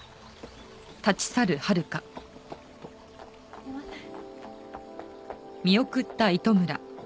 すいません。